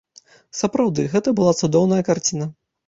Сапраўды, гэта была цудоўная карціна.